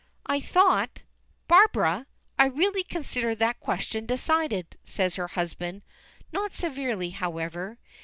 "I thought " "Barbara! I really consider that question decided," says her husband, not severely, however.